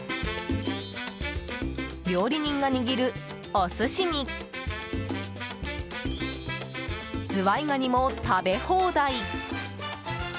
料理人が握るお寿司にズワイガニも食べ放題！